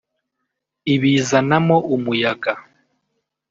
ibizanamo umuyaga